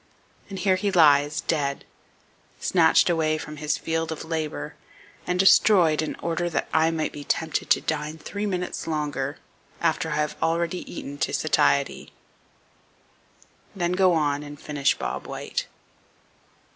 And here he lies, dead; snatched away from his field of labor, and destroyed, in order that I may be tempted to dine three minutes longer, after I have already eaten to satiety." Then go on, and finish Bob White.